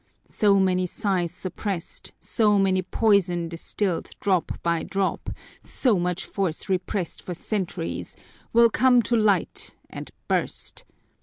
So many sighs suppressed, so much poison distilled drop by drop, so much force repressed for centuries, will come to light and burst!